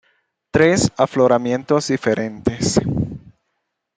Tres afloramientos diferentes.